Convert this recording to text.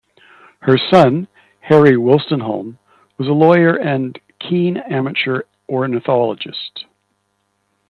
Her son, Harry Wolstenholme, was a lawyer and keen amateur ornithologist.